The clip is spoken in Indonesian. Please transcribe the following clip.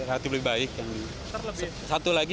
satu lagi kalisuntar